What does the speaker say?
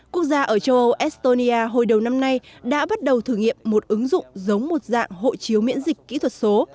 quốc gia ở châu âu estonia hồi đầu năm nay đã bắt đầu thử nghiệm một ứng dụng giống một dạng hộ chiếu miễn dịch kỹ thuật số